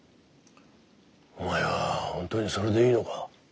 お前は本当にそれでいいのか？